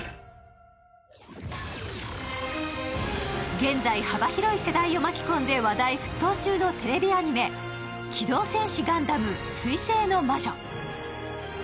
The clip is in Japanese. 現在、幅広い世代を巻き込んで話題沸騰中のテレビアニメ「機動戦士ガンダム水星の魔女」。